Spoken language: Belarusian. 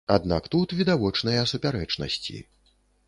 Аднак тут відавочныя супярэчнасці.